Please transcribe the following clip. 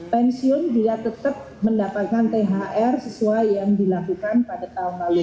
pensiun dia tetap mendapatkan thr sesuai yang dilakukan pada tahun lalu